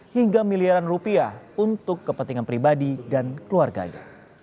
hingga miliaran rupiah untuk kepentingan pribadi dan keluarganya